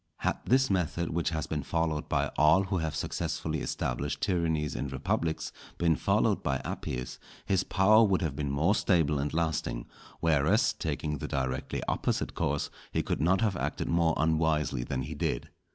Had this method, which has been followed by all who have successfully established tyrannies in republics, been followed by Appius, his power would have been more stable and lasting; whereas, taking the directly opposite course, he could not have acted more unwisely than he did.